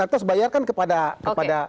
terus bayarkan kepada